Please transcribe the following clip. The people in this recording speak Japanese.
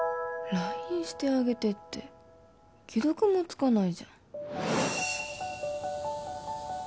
ＬＩＮＥ してあげてって既読もつかないじゃん